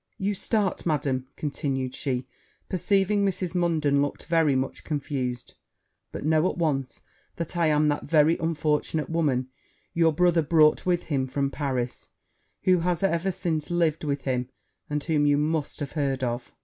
'You start, Madam,' continued she, perceiving Mrs. Munden looked very much confused; 'but know, at once, that I am that very unfortunate woman your brother brought with him from Paris, who has ever since lived with him, and whom you must have heard of.'